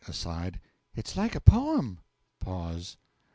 (Aside.) It's like a poem.